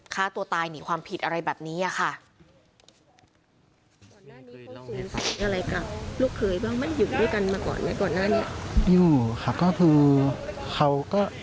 ฆ่าตัวตายหนีความผิดอะไรแบบนี้ค่ะ